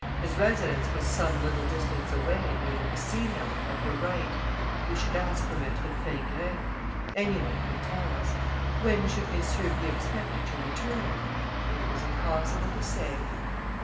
His residence was some little distance away, near the Casino, at the right we should ask for Mâitre Fingret anyone could tell us. When should messieurs be expected to return? It was impossible to say.